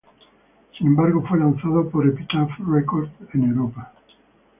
Sin embargo, fue lanzado por Epitaph Records en Europa.